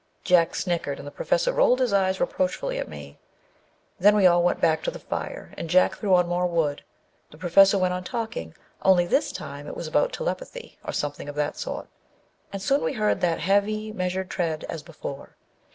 Jack snickered, and the Professor rolled his eyes reproachfully at me. Then we all went back to the fire and Jack threw on more wood. The Professor went on talking, only this time it was about telepathy, or something of that sort. And soon we heard that heavy, measured tread, as before.